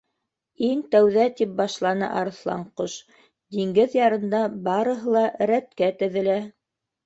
—Иң тәүҙә, —тип башланы Арыҫланҡош, —диңгеҙ ярында барыһы ла рәткә теҙелә...